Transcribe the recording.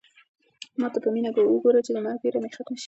ما ته په مینه وګوره چې د مرګ وېره مې ختمه شي.